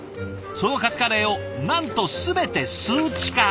そのカツカレーをなんと全て数値化。